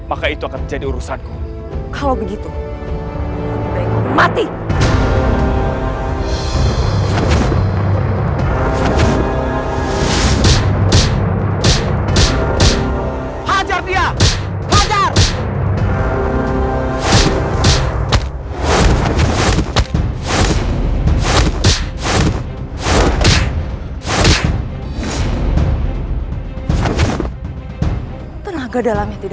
atau kalian berdua akan mati